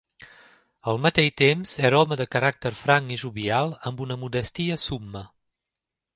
Al mateix temps era home de caràcter franc i jovial amb una modèstia summa.